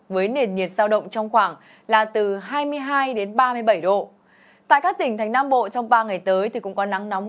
với nền nhiệt sao động trong khoảng là ba mươi độ